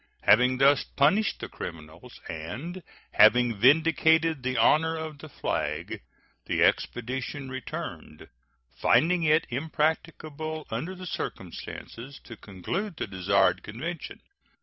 Having thus punished the criminals, and having vindicated the honor of the flag, the expedition returned, finding it impracticable under the circumstances to conclude the desired convention.